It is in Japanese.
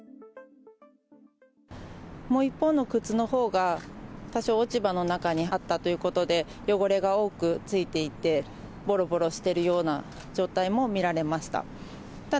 もう一方の靴のほうが、多少落ち葉の中にあったということで、汚れが多くついていて、ぼろぼろしてるような状態も見られました。